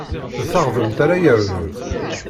D taɣdemt ara yernun.